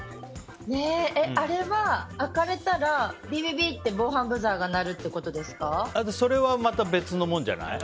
あれは、開かれたらビビビってそれはまた別のものじゃない？